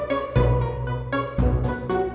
baik terima kasih ustadz